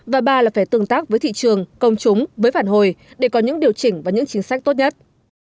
và ba là phải tương tác với thị trường công chúng với phản hồi để có những điều chỉnh và những chính sách tốt nhất